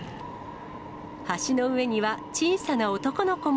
橋の上には小さな男の子も。